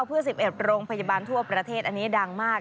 เพื่อ๑๑โรงพยาบาลทั่วประเทศอันนี้ดังมาก